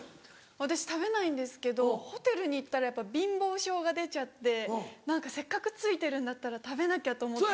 私食べないんですけどホテルに行ったらやっぱ貧乏性が出ちゃって何かせっかく付いてるんだったら食べなきゃと思って。